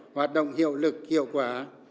hoạt động hiệu lực hiệu quả